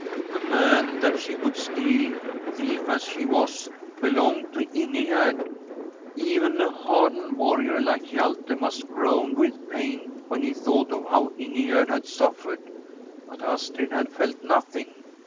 The man that she would steal, thief as she was, belonged to Ingegerd. Even a hardened warrior like Hjalte must g^oan with pain when he thought of how Ingegerd had suffered. But Astrid had felt nothing.